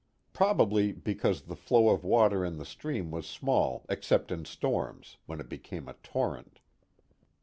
Probably because the flow of water in the stream was small except in storms, when it became a torrent.